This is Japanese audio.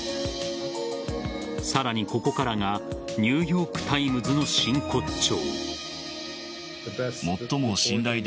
さらにここからがニューヨーク・タイムズの真骨頂。